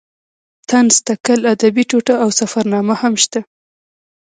طنز تکل ادبي ټوټه او سفرنامه هم شته.